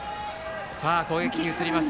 さあ、攻撃に移ります